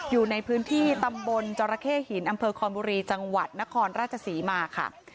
อยู่ในพื้นที่ตำบลจรเข้หินอำเภอคอนบุรีจังหวัดนครราชศรีมาค่ะ